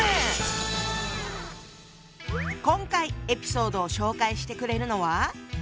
今回エピソードを紹介してくれるのは。